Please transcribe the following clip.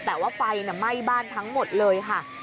แต่ว่าไฟไหม้บ้านทั้งหมดเลยค่ะ